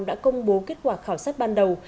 đã công bố kết quả khảo sát ban đầu